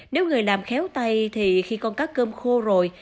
nếu người làm khéo tay thì khi con cá cơm khô rồi